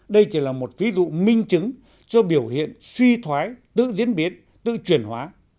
đây chỉ là một ví dụ minh chứng cho biểu hiện suy thoái tự diễn biến tự chuyển hóa